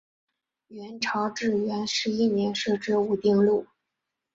元朝至元十一年设置武定路。